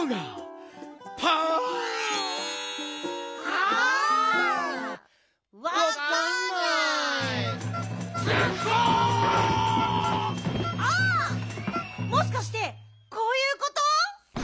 ああもしかしてこういうこと？